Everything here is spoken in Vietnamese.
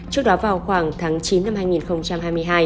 trước đó vào khoảng tháng chín năm hai nghìn hai mươi hai